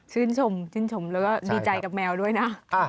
ชื่นชมแล้วก็ดีใจกับแมวด้วยนะ